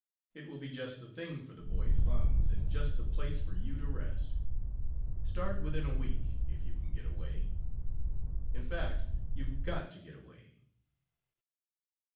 It will be just the thing for the boy's lungs, and just the place for you to rest. Start within a week, if you can get away. In fact, you've got to get away."